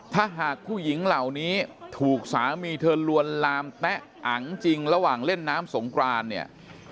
ถ้าหากผู้หญิงเหล่านี้ถูกสามีเธอลวนลามแต๊ะอังจริงระหว่างเล่นน้ำสงกรานเนี่ย